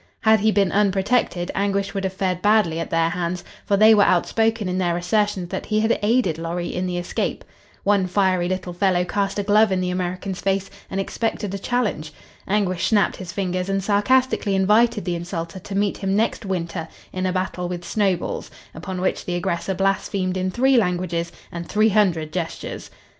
Had he been unprotected, Anguish would have fared badly at their hands, for they were outspoken in their assertions that he had aided Lorry in the escape. One fiery little fellow cast a glove in the American's face and expected a challenge. Anguish snapped his fingers and sarcastically invited the insulter to meet him next winter in a battle with snowballs, upon which the aggressor blasphemed in three languages and three hundred gestures.